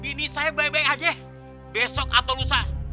gini saya baik baik aja besok atau lusa